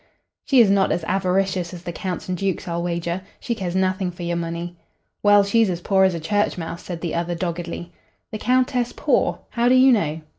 "She is not as avaricious as the counts and dukes, I'll wager. She cares nothing for your money." "Well, she's as poor as a church mouse," said the other, doggedly. "The Countess poor? How do you know?'